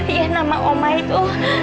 iya nama omah itu